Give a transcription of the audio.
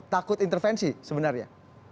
takut intervensi sebenarnya